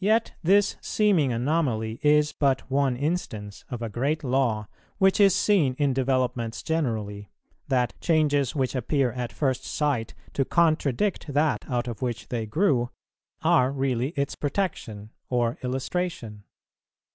Yet this seeming anomaly is but one instance of a great law which is seen in developments generally, that changes which appear at first sight to contradict that out of which they grew, are really its protection or illustration.